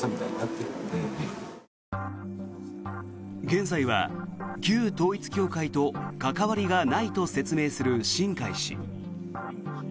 現在は旧統一教会と関わりがないと説明する新開氏。